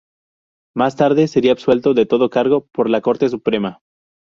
Más tarde sería absuelto de todo cargo por la Corte Suprema.